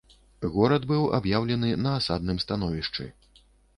Горад быў аб'яўлены на асадным становішчы.